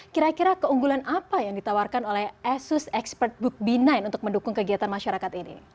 kira kira keunggulan apa yang ditawarkan oleh asus expertbook b sembilan untuk mendukung kegiatan masyarakat ini